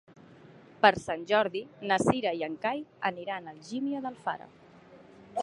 Per Sant Jordi na Cira i en Cai aniran a Algímia d'Alfara.